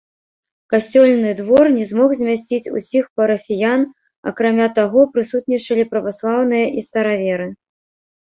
Касцёльны двор не змог змясціць усіх парафіян, акрамя таго прысутнічалі праваслаўныя і стараверы.